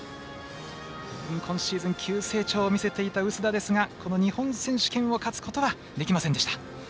今シーズン、急成長を見せていた薄田ですが日本選手権を勝つことはできませんでした。